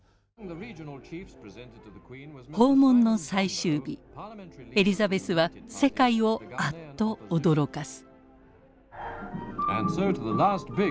訪問の最終日エリザベスは世界をあっと驚かす。